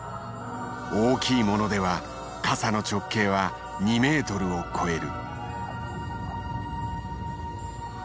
大きいものでは傘の直径は２メートルを超える。